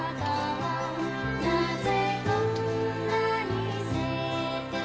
「なぜこんなに急いてと」